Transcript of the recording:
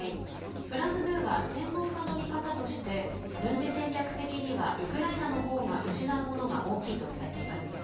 フランス２は専門家の見方として軍事戦略的にはウクライナの方が失うものが大きいと伝えています。